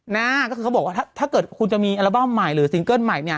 นะก็คือเขาบอกว่าถ้าเกิดคุณจะมีอัลบั้มใหม่หรือซิงเกิ้ลใหม่เนี่ย